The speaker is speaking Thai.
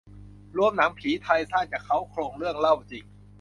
รวมหนังผีไทย สร้างจากเค้าโครงเรื่องเล่าจริง